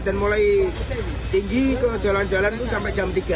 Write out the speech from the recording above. dan mulai tinggi ke jalan jalan itu sampai jam tiga